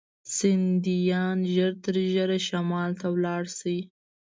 سیندهیا ژر تر ژره شمال ته ولاړ شي.